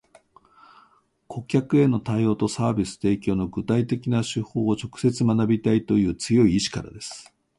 顧客への対応とサービス提供の具体的な手法を直接学びたいという強い意志からです